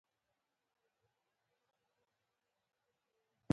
د دوی په غوږونو کې مترنم غږونه دېره وو.